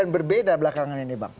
berbeda belakangan ini bang